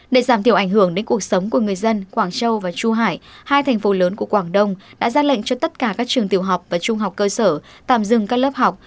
để giảm thiểu ảnh hưởng đến cuộc sống của người dân quảng châu và chu hải hai thành phố lớn của quảng đông đã ra lệnh cho tất cả các trường tiểu học và trung học cơ sở tạm dừng các lớp học